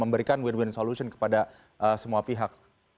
kemudian ini bisa memberikan win win solution kepada semua pihak